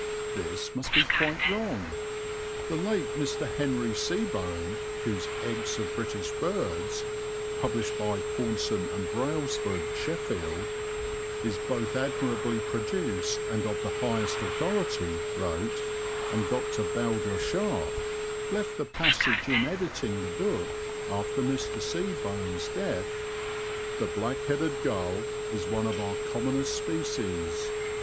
This must be quite wrong. The late Mr. Henry Seebohm, whose Eggs of British Birds (Paunson & Brailsford, Sheffield) is both admirably produced and of the highest authority, wrote, and Dr. Bowdler Sharpe left the passage in editing the book after Mr. Seebohm's death: "The Black headed Gull is one of our commonest species.